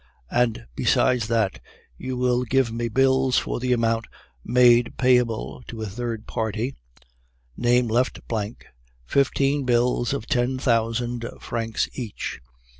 "'And besides that, you will give me bills for the amount made payable to a third party (name left blank), fifteen bills of ten thousand francs each.